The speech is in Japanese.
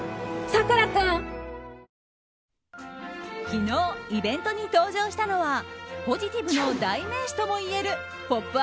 昨日、イベントに登場したのはポジティブの代名詞ともいえる「ポップＵＰ！」